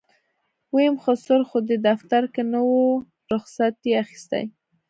ويم خسر خو دې دفتر کې نه و رخصت يې اخېستی.